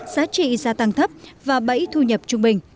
giá trị gia tăng thấp và bẫy thu nhập trung bình